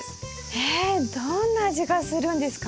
えどんな味がするんですかね？